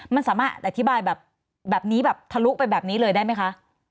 มันสามารถอธิบายแบบนี้แบบทะลุไปแบบนี้เลยได้ไหมคะ